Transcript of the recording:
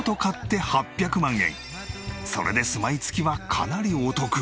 それで住まい付きはかなりお得？